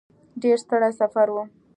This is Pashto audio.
ډېر ستړی سفر و.